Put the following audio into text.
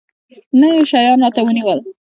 نه يې شيان راته رانيول.